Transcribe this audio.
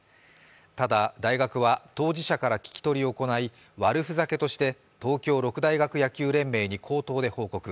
ただ、大学は、当事者から聴き取りを行い悪ふざけとして東京六大学野球連盟に口頭で報告。